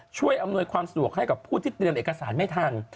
อำนวยความสะดวกให้กับผู้ที่เตรียมเอกสารไม่ทัน